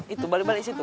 itu balik balik di situ